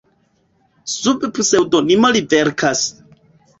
Sub pseŭdonimo li verkas.